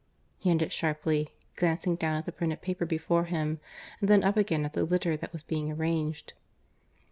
he ended sharply, glancing down at the printed paper before him, and then up again at the litter that was being arranged.